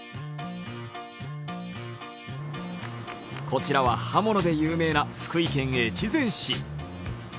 こちらは刃物で有名な福井県越前市。